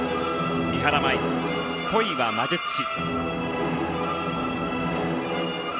三原舞依、「恋は魔術師」。